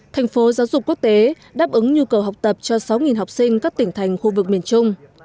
thành phố giáo dục quốc tế đáp ứng nhu cầu học tập cho sáu học sinh các tỉnh thành khu vực miền trung